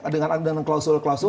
dengan ada klausul klausul